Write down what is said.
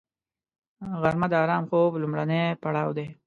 غرمه د آرام خوب لومړنی پړاو دی